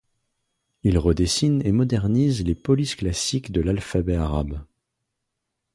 Il redessine et modernise les polices classiques de l'alphabet arabe.